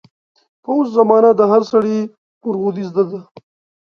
په اوس زمانه د هر سړي مورغودۍ زده دي.